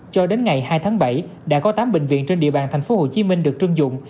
cho đến ngày hai tháng bảy đã có tám bệnh viện trên địa bàn tp hcm được trưng dụng